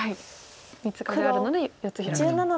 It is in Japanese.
３つ壁あるので４つヒラくと。